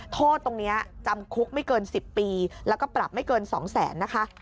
โทษตรงนี้จำคุกไม่เกิน๑๐ปีแล้วก็ปรับไม่เกิน๒แสนนะคะ